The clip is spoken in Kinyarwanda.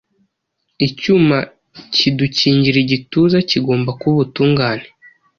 Icyuma kidukingira igituza kigomba kuba ubutungane.